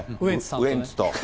ウエンツと。